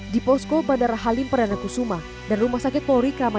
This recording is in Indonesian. di posko bandara halim peranakusuma dan rumah sakit polri kramajan